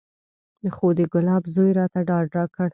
خو د ګلاب زوى راته ډاډ راکړ.